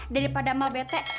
daripada mak bete